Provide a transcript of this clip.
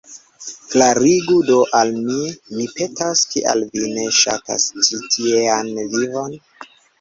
Klarigu do al mi, mi petas, kial vi ne ŝatas ĉi tiean vivon?